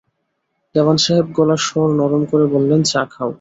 দেওয়ান সাহেব গলার স্বর নরম করে বললেন, চা খাও।